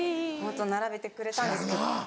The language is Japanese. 並べてくれたんですけど